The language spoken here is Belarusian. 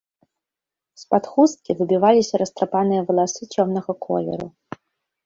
З-пад хусткі выбіваліся растрапаныя валасы цёмнага колеру.